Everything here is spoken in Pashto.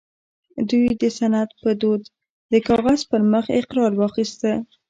دوی د سند په دود د کاغذ پر مخ اقرار واخيسته